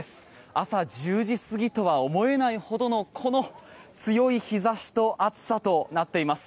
朝１０時過ぎとは思えないほどのこの強い日差しと暑さとなっています。